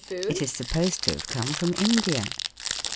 It is supposed to have come from India.